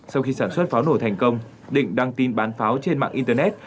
sau khi sản xuất pháo nổ thành công định đăng tin bán pháo trên mạng internet